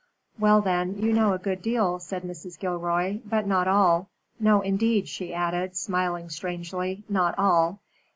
"Well, then, you know a good deal," said Mrs. Gilroy, "but not all. No, indeed," she added, smiling strangely, "not all."